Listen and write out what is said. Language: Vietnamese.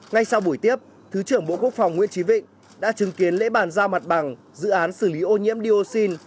ngay sau buổi tiếp thứ trưởng bộ quốc phòng nguyễn trí vịnh đã chứng kiến lễ bàn giao mặt bằng dự án xử lý ô nhiễm dioxin